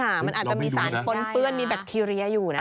มันอาจจะมีสารปนเปื้อนมีแบคทีเรียอยู่นะ